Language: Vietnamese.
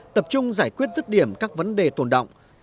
tập trung giải quyết rứt điểm các vấn đề tồn động